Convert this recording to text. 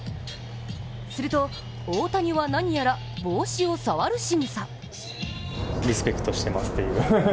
すると、大谷は何やら帽子を触るしぐさ。